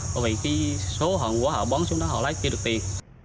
bởi vì số hỏng của họ bón xuống đó họ lái kia được tiền